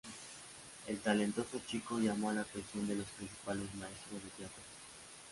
El talentoso chico llamó la atención de los principales maestros de teatro.